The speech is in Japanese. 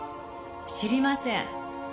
知りません。